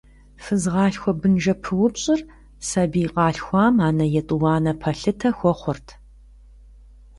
Фызгъалъхуэ–бынжэпыупщӏыр сабий къалъхуам анэ етӏуанэ пэлъытэ хуэхъурт.